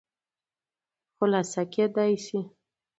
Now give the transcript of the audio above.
خلاصه کېداى شي